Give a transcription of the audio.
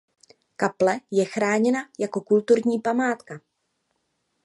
Kaple je chráněna jako Kulturní památka.